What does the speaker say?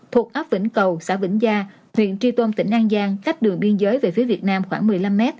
thuộc ấp vĩnh cầu xã vĩnh gia huyện tri tôn tỉnh an giang cách đường biên giới về phía việt nam khoảng một mươi năm m